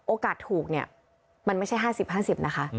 โอกาสถูกเนี่ยมันไม่ใช่๕๐๕๐นะคะ